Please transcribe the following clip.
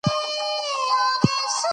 ښوونکو ستاسو د بچو راتلوونکی ټاکي.